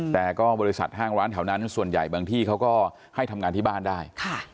แต่ก็บริษัทห้างร้านแถวนั้นส่วนใหญ่บางที่เขาก็ให้ทำงานที่บ้านได้